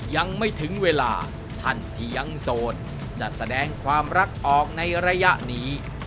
ยังไม่ถึงเวลาท่านที่ยังโสดจะแสดงความรักออกในระยะนี้